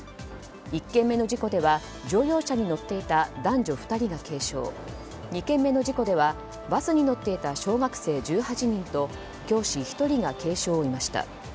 １件目の事故では乗用車に乗っていた男女２人が軽傷２件目の事故ではバスに乗っていた小学生１８人と教師１人が軽傷を負いました。